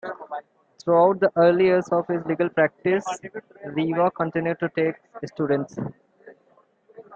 Throughout the early years of his legal practice, Reeve continued to take students.